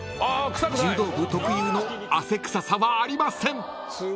［柔道部特有の汗臭さはありません］